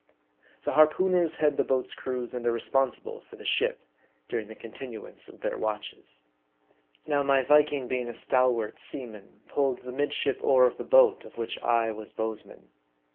The harpooneers head the boats' crews, and are responsible for the ship during the continuance of their watches. Now, my Viking being a stalwart seaman, pulled the midship oar of the boat of which I was bowsman.